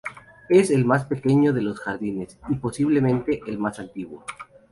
Es el más pequeño de los jardines y, posiblemente, el más antiguo.